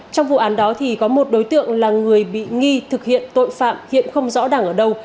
trong vụ án đó thì có một đối tượng là người bị nghi thực hiện tội phạm hiện không rõ đẳng ở đâu